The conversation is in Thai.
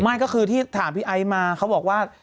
ไม่ก็คือที่ถามพี่ไอซ์มาเขาบอกว่า